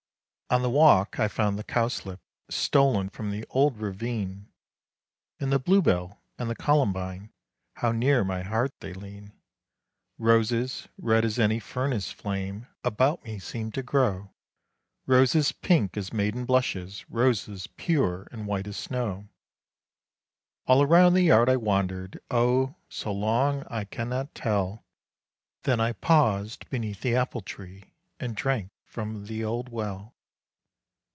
On the walk I found the cowslip, stolen from "The Old Ravine," And the blue bell, and the columbine how near my heart they lean. Roses, red as any furnace flame, about me seemed to grow. Roses pink as maiden blushes, roses pure and white as snow. All around the yard I wandered, oh! so long I can not tell, Then I paused beneath the apple tree and drank from the old well.